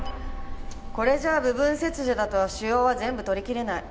これじゃ部分切除だと腫瘍は全部取り切れない。